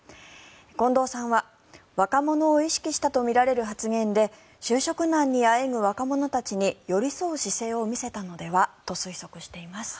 近藤さんは若者を意識したとみられる発言で就職難にあえぐ若者たちに寄り添う姿勢を見せたのではと推測しています。